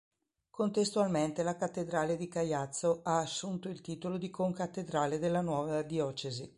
Contestualmente la cattedrale di Caiazzo ha assunto il titolo di concattedrale della nuova diocesi.